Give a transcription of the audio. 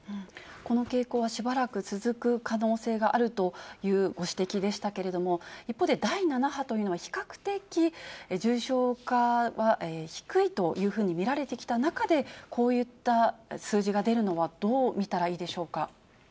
この傾向はしばらく続く可能性があるというご指摘でしたけれども、一方で第７波というのは比較的重症化は低いというふうに見られてきた中で、こういった数字が出るのはどう見たらいいでしょうか。